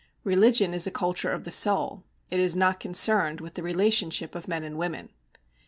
Religion is a culture of the soul; it is not concerned with the relationship of men and women.